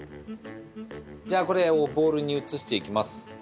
じゃあこれをボウルに移していきます。